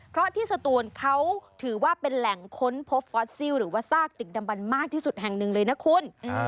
เพราะที่สตูนเขาถือว่าเป็นแหล่งค้นพบฟอสซิลหรือว่าซากตึกดำบันมากที่สุดแห่งหนึ่งเลยนะคุณ